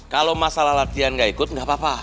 kalau masalah latihan gak ikut gak apa apa